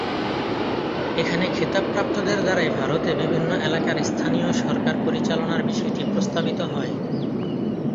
এভাবে খেতাব প্রাপ্তদের দ্বারাই ভারতে বিভিন্ন এলাকার স্থানীয় সরকার পরিচালনার বিষয়টি প্রস্তাবিত হয়।